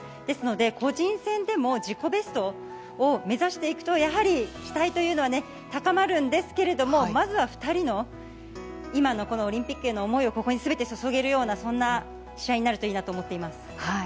ですので個人戦でも自己ベストを目指していくとやはり期待というのは高まるんですけどまずは２人の今のオリンピックへの思いをここに全て注げるような試合になるといいなと思っています。